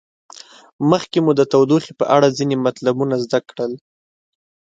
مخکې مو د تودوخې په اړه ځینې مطلبونه زده کړل.